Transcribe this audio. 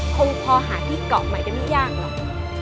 คงพอหาที่เกาะใหม่ได้ไม่ยากหรอก